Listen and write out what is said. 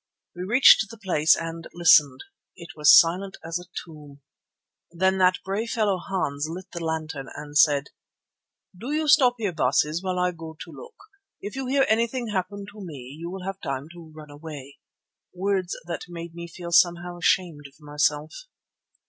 We reached the place and listened. It was silent as a tomb. Then that brave fellow Hans lit the lantern and said: "Do you stop here, Baases, while I go to look. If you hear anything happen to me, you will have time to run away," words that made me feel somewhat ashamed of myself.